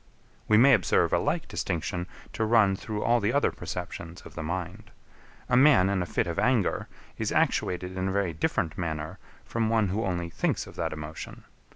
We may observe a like distinction to run through all the other perceptions of the mind. A man in a fit of anger, is actuated in a very different manner from one who only thinks of that emotion.